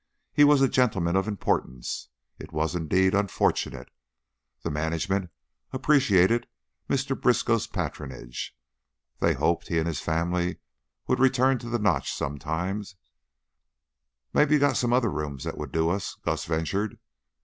He was a gentleman of importance it was indeed unfortunate the management appreciated Mr. Briskow's patronage they hoped he and his family would return to the Notch sometime. "Mebbe you got some other rooms that would do us," Gus ventured.